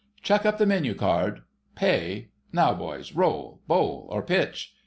Chuck up the menu card, Pay. Now, boys, roll, bowl, or pitch